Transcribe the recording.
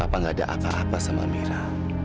apa gak ada apa apa sama amira